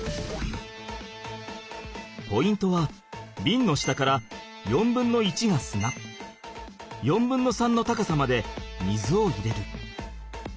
ポイントはビンの下から４分の１が砂４分の３の高さまで水を入れる。